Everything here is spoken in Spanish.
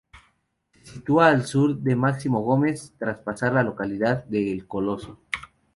Se sitúa al sur de Máximo Gómez, tras pasar la localidad de El Coloso.